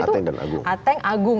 ateng dan agung